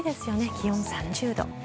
気温３０度。